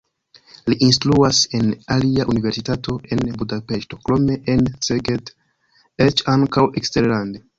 Li instruas en alia universitato en Budapeŝto, krome en Szeged, eĉ ankaŭ eksterlande.